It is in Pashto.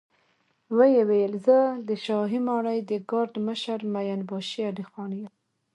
ويې ويل: زه د شاهي ماڼۍ د ګارد مشر مين باشي علی خان يم.